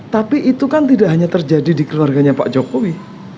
tapi itu kan tidak hanya terjadi di keluarganya pak jokowi